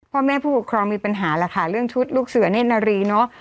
พ่อแม่ผู้ปกครองมีปัญหาแล้วค่ะเรื่องชุดลูกเสือเนธนารีเนอะ